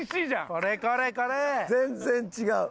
全然違う！